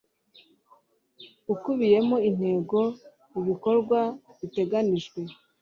ukubiyemo intego ibikorwa biteganyijwe